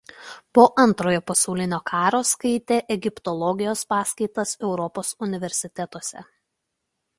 Po Antrojo pasaulinio karo skaitė egiptologijos paskaitas Europos universitetuose.